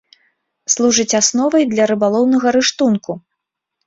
Служыць асновай для рыбалоўнага рыштунку.